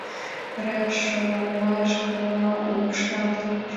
Вара шолашкыла лупшалтыч.